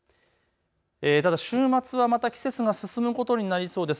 ただ週末はまた季節が進むことになりそうです。